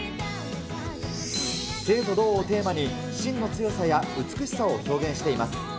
静と動をテーマに、芯の強さや美しさを表現しています。